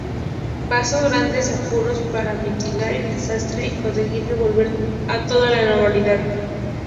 Pasó grandes apuros para mitigar el desastre y conseguir devolver todo a la normalidad.